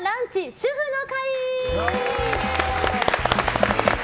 主婦の会。